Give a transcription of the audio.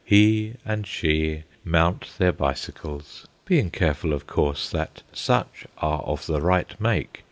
He and she mount their bicycles, being careful, of course, that such are of the right make.